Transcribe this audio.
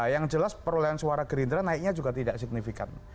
yang jelas perolehan suara gerindra naiknya juga tidak signifikan